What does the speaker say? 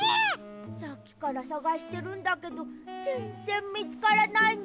さっきからさがしてるんだけどぜんぜんみつからないんだ。